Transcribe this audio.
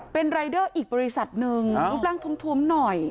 เป็นรายเดอร์อีกบริษัทหนึ่งรูปร่างทวมหน่อย